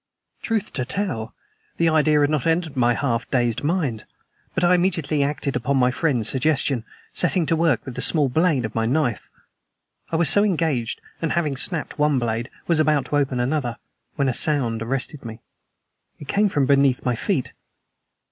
Truth to tell, the idea had not entered my half dazed mind, but I immediately acted upon my friend's suggestion, setting to work with the small blade of my knife. I was so engaged, and, having snapped one blade, was about to open another, when a sound arrested me. It came from beneath my feet.